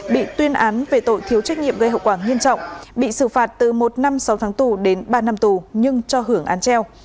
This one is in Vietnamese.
bị xử phạt từ một năm sáu tháng tù đến ba năm tù nhưng cho hưởng án treo